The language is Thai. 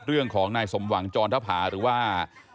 เรื่องของนายสมหวังจรทภาหรือว่า